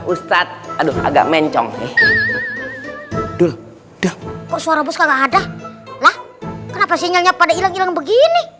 ustadz aduh agak mencong eh aduh kok suara bos nggak ada lah kenapa sinyalnya pada hilang hilang begini